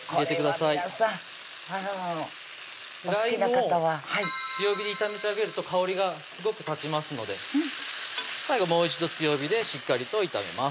これは皆さんお好きな方はラー油も強火で炒めてあげると香りがすごく立ちますので最後もう一度強火でしっかりと炒めます